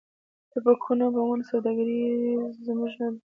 د ټوپکونو او بمونو سوداګري یې زموږ نه ده.